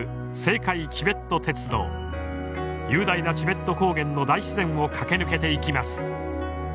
雄大なチベット高原の大自然を駆け抜けていきます。